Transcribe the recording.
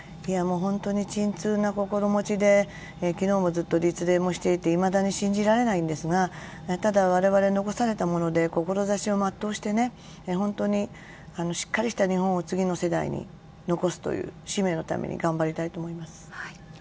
今、沈痛な心持ちでいまだに信じられないんですがただ、我々残された者で志を全うしてしっかりとした日本を次の世代に残すという使命のために頑張りたいと思います。